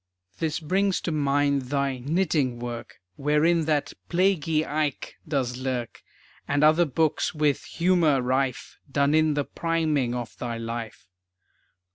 This brings to mind thy Knitting Work, Wherein that "plaguey Ike" does lurk, And other books with humor rife, Done in the priming of thy life.